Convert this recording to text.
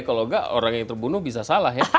kalau enggak orang yang terbunuh bisa salah ya